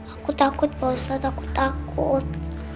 aku takut pak ustadz aku takut